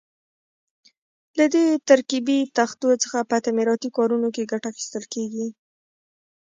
له دې ترکیبي تختو څخه په تعمیراتي کارونو کې ګټه اخیستل کېږي.